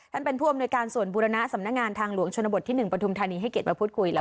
ท่านเป็นผู้อำนวยการส่วนบุรณะสำนักงานทางหลวงชนบทที่๑ปฐุมธานีให้เกียรติมาพูดคุยแล้ว